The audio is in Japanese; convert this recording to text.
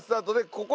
ここ！